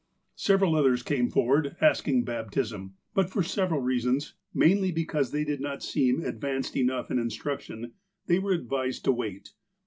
Several others came forward, asking baptism, but, for several reasons, mainly because they did not seem ad vanced enough in instruction, they were advised to wait.